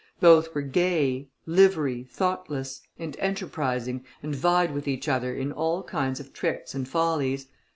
Both were gay, livery, thoughtless, and enterprising, and vied with each other in all kinds of tricks and follies.